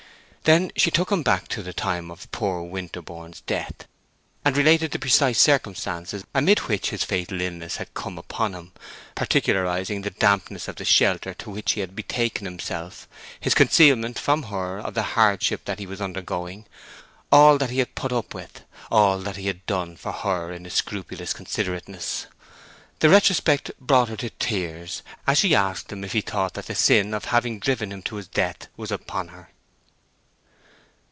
She then took him back to the time of poor Winterborne's death, and related the precise circumstances amid which his fatal illness had come upon him, particularizing the dampness of the shelter to which he had betaken himself, his concealment from her of the hardships that he was undergoing, all that he had put up with, all that he had done for her in his scrupulous considerateness. The retrospect brought her to tears as she asked him if he thought that the sin of having driven him to his death was upon her.